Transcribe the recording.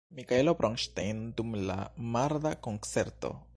Mikaelo Bronŝtejn dum la marda koncerto.